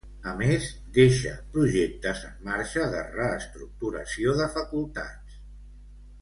A més, deixa projectes en marxa de reestructuració de facultats.